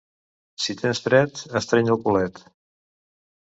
Si tens fred, estreny el culet.